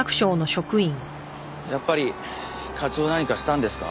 やっぱり課長何かしたんですか？